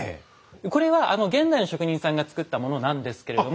これは現代の職人さんが作ったものなんですけれども。